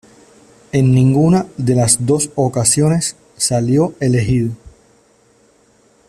En ninguna de las dos ocasiones salió elegido.